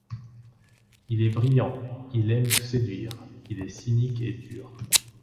Il est brillant, il aime séduire, il est cynique et dur.